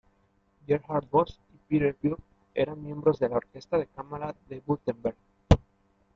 Gerhard Voss y Peter Buck eran miembros de la Orquesta de Cámara de Wurtemberg.